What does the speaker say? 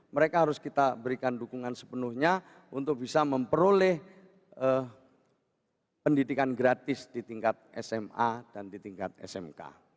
mereka harus kita berikan dukungan sepenuhnya untuk bisa memperoleh pendidikan gratis di tingkat sma dan di tingkat smk